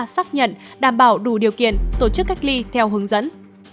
xác nhận đảm bảo đủ điều kiện tổ chức cách ly theo hướng dẫn